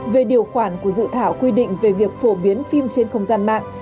về điều khoản của dự thảo quy định về việc phổ biến phim trên không gian mạng